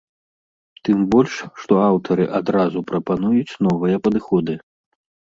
Тым больш, што аўтары адразу прапануюць новыя падыходы.